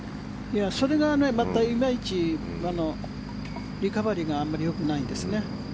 それがまたいまいちリカバリーがあんまりよくないんですね。